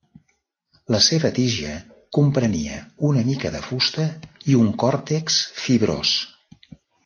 La seva tija comprenia una mica de fusta i un còrtex fibrós.